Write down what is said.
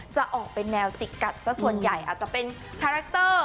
จะออกเป็นแนวจิกกัดซะส่วนใหญ่อาจจะเป็นคาแรคเตอร์